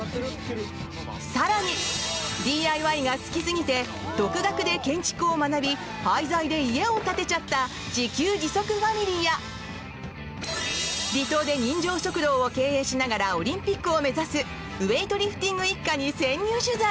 更に、ＤＩＹが好きすぎて独学で建築を学び廃材で家を建てちゃった自給自足ファミリーや離島で人情食堂を経営しながらオリンピックを目指すウェートリフティング一家に潜入取材。